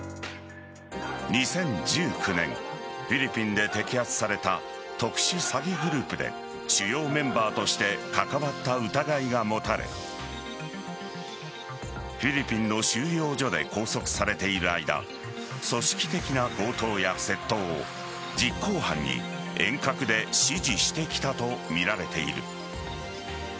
２０１９年フィリピンで摘発された特殊詐欺グループで主要メンバーとして関わった疑いが持たれフィリピンの収容所で拘束されている間組織的な強盗や窃盗を実行犯に遠隔で指示してきたとみられている。